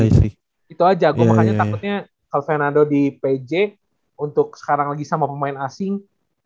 gitu aja gue makanya takutnya kalo fernando di p i j untuk sekarang lagi sama pemain asing